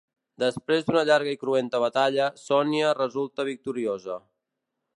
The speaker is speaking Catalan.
Després d'una llarga i cruenta batalla, Sonia resulta victoriosa.